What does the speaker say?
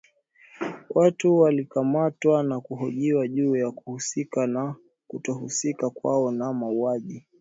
Watu walikamatwa na kuhojiwa juu ya kuhusika au kutohusika kwao na mauaji